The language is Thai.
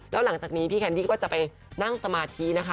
แล้วหลังจากนี้พี่แคนดี้ก็จะไปนั่งสมาธินะคะ